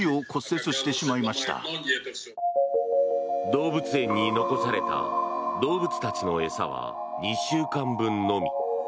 動物園に残された動物たちの餌は２週間分のみ。